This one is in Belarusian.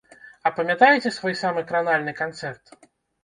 А памятаеце свой самы кранальны канцэрт?